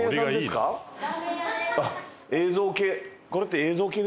映像系。